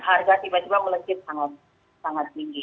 harga tiba tiba melejit sangat tinggi